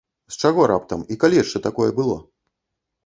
З чаго раптам, і калі яшчэ такое было?